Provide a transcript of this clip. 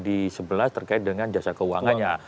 di sebelas terkait dengan jasa keuangannya